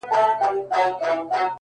دا غمى اوس له بــازاره دى لوېـدلى؛